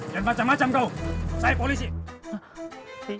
dan macam macam kau saya polisi